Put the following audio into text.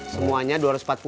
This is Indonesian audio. semuanya dua ratus empat puluh